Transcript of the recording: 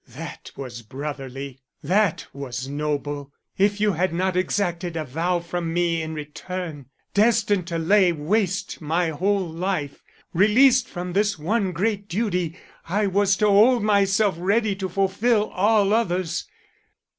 "That was brotherly; that was noble, if you had not exacted a vow from me in return, destined to lay waste my whole life. Released from this one great duty, I was to hold myself ready to fulfil all others.